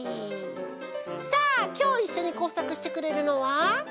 さあきょういっしょにこうさくしてくれるのは。